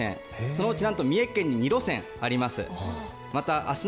そのうちなんと三重県に２路線あります。